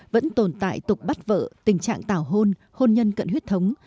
vẫn tồn tại tục bắt vợ tình trạng tạo hôn hôn nhân cận huyết thống